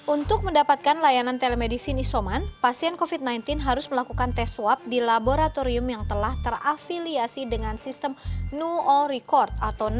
untuk mendapatkan layanan telemedicine isoman pasien covid sembilan belas harus melakukan tes swab di laboratorium yang telah terafiliasi dengan sistem know all record